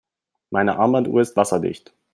Meine Armbanduhr ist wasserdicht.